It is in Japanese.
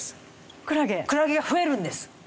クラゲが増えるんです。